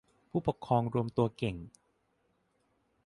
ผู้ปกครองรวมตัวเก่ง